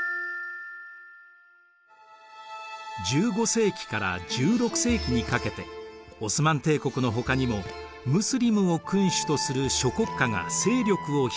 １５世紀から１６世紀にかけてオスマン帝国のほかにもムスリムを君主とする諸国家が勢力を広げていました。